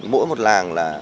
mỗi một làng là